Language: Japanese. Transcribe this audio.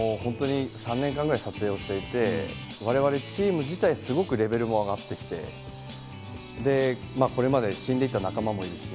３年間ぐらい撮影していて、我々チーム自体、レベルも上がっていて、これまで死んでいった仲間もですね。